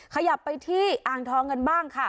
ขยับไปที่อ่างทองกันบ้างค่ะ